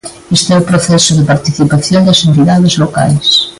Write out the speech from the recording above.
Este é o proceso de participación das entidades locais.